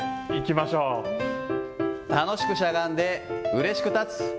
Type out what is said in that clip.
楽しくしゃがんでうれしく立つ。